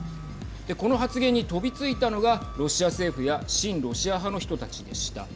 この発言に飛びついたのがロシア政府や親ロシア派の人たちでした。